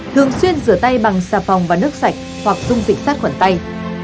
thường xuyên rửa tay bằng xà phòng và nước sạch hoặc dung dịch sát khuẩn tay